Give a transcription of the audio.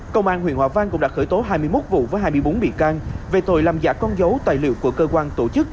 công an huyện hòa vang cũng đã khởi tố hai mươi một vụ với hai mươi bốn bị can về tội làm giả con dấu tài liệu của cơ quan tổ chức